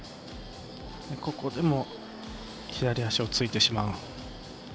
ここでも左足をついてしまう。